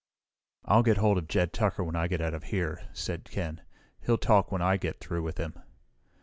"I'll get hold of Jed Tucker when I get out of here," said Ken. "He'll talk when I get through with him!"